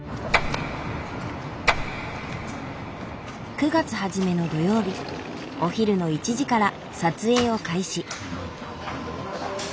９月初めの土曜日お昼の１時から撮影を開始。